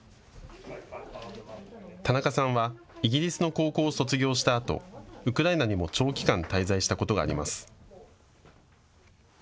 田中さんはイギリスの高校を卒業したあとウクライナにも長期間滞在したことがあります。